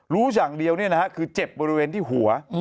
รู้อย่างเดียวคือเจ็บบริเวณที่หัว